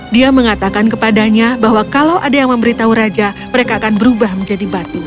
dia mengatakan kepadanya bahwa kalau ada yang memberitahu raja mereka akan berubah menjadi batu